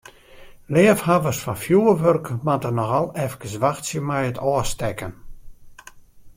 Leafhawwers fan fjurwurk moatte noch al efkes wachtsje mei it ôfstekken.